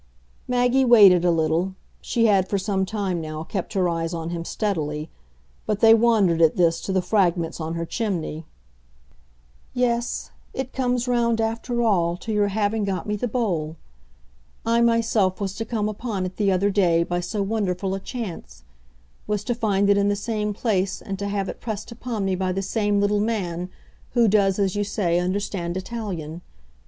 Maggie waited a little; she had for some time, now, kept her eyes on him steadily; but they wandered, at this, to the fragments on her chimney. "Yes; it comes round, after all, to your having got me the bowl. I myself was to come upon it, the other day, by so wonderful a chance; was to find it in the same place and to have it pressed upon me by the same little man, who does, as you say, understand Italian.